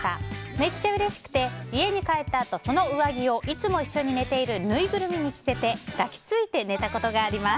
めっちゃうれしくて家に帰ったあとその上着をいつも一緒に寝ているぬいぐるみに着せて抱き付いて寝たことがあります。